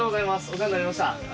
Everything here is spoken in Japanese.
お世話になりました。